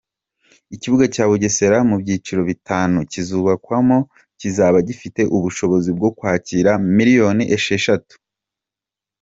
Ikibuga cya Bugesera mu byiciro bitanu kizubakwamo kizaba gifite ubushobozi bwo kwakira miliyoni esheshatu.